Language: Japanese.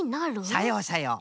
さようさよう。